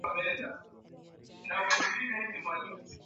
Hali iliyopelekea kuchangia kwa kiasi kikubwa kudumisha amani